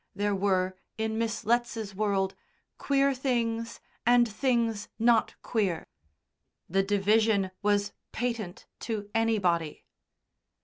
There were in Miss Letts's world "queer things" and "things not queer." The division was patent to anybody.